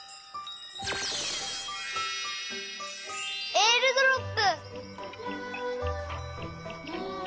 えーるドロップ！